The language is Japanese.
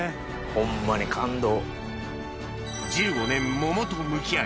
ホンマに感動。